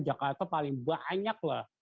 jakarta paling banyak lah